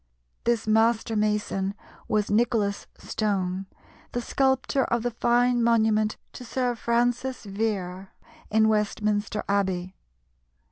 This master mason was Nicholas Stone, the sculptor of the fine monument to Sir Francis Vere in Westminster Abbey.